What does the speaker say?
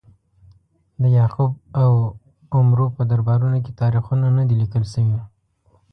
د یعقوب او عمرو په دربارونو کې تاریخونه نه دي لیکل شوي.